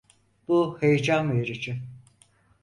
Bu heyecan verici.